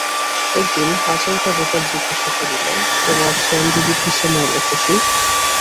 একদিন আচমকা গোপাল জিজ্ঞাসা করিল, তোমার সেনদিদি কিসে মরল শশী?